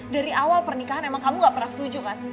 dari awal pernikahan emang kamu gak pernah setuju kan